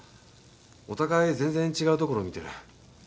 お互い全然違うところ見てる。